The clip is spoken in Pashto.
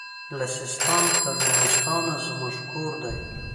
له سیستان تر نورستانه زموږ کور دی